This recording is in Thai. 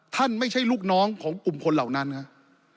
ไม่ใช่ลูกน้องของกลุ่มคนเหล่านั้นครับ